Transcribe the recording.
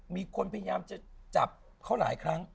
มีคนพยายามจะจับเขาหลายครั้ง